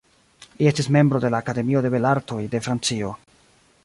Li estis membro de la Akademio de Belartoj de Francio.